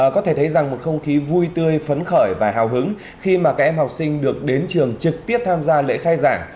có thể thấy rằng một không khí vui tươi phấn khởi và hào hứng khi mà các em học sinh được đến trường trực tiếp tham gia lễ khai giảng